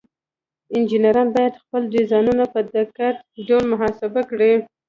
انجینران باید خپل ډیزاینونه په دقیق ډول محاسبه کړي.